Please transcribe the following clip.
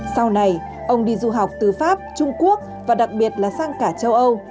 sau này ông đi du học từ pháp trung quốc và đặc biệt là sang cả châu âu